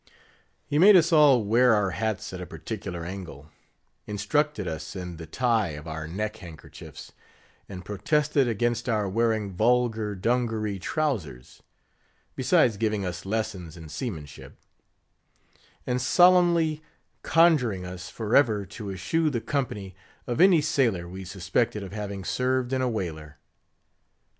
He made us all wear our hats at a particular angle—instructed us in the tie of our neck handkerchiefs; and protested against our wearing vulgar dungeree trowsers; besides giving us lessons in seamanship; and solemnly conjuring us, forever to eschew the company of any sailor we suspected of having served in a whaler.